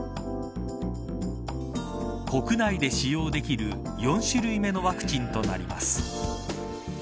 国内で使用できる４種類目のワクチンとなります。